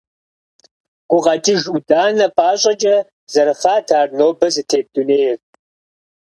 Гукъэкӏыж ӏуданэ пӏащӏэкӏэ зэрыхъат ар нобэ зытет дунейр.